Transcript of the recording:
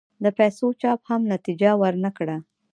د پیسو چاپ هم نتیجه ور نه کړه.